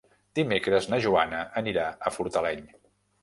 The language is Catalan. Dimecres na Joana anirà a Fortaleny.